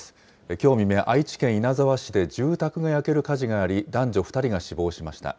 きょう未明、愛知県稲沢市で住宅が焼ける火事があり、男女２人が死亡しました。